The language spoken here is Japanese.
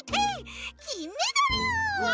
きんメダル！わ！